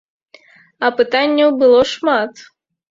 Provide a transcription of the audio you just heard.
А пытанняў было шмат.